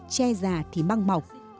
che già thì mang mọc